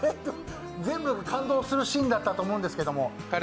全部が感動するシーンだったと思うんですけど。